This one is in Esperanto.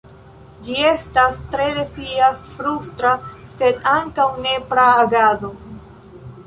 Ĝi estas tre defia, frustra, sed ankaŭ nepra agado.